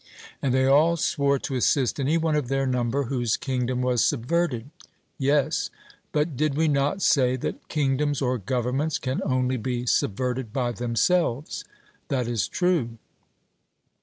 And they all swore to assist any one of their number whose kingdom was subverted. 'Yes.' But did we not say that kingdoms or governments can only be subverted by themselves? 'That is true.'